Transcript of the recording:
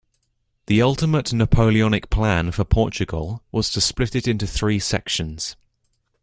The ultimate Napoleonic plan for Portugal was to split it into three sections.